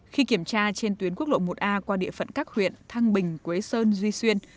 khi kiểm tra trên tuyến quốc lộ một a qua địa phận các huyện thăng bình quế sơn duy xuyên